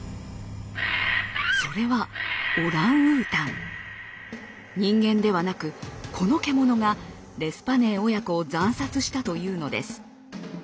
それは人間ではなくこの獣がレスパネー親子を惨殺したというのです。